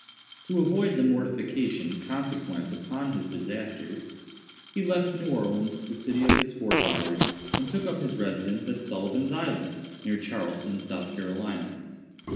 To avoid the mortification consequent upon his disasters, he left New Orleans, the city of his forefathers, and took up his residence at Sullivan's Island, near Charleston, South Carolina.